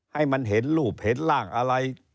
ให้มันเห็นรูปเห็นร่างอะไร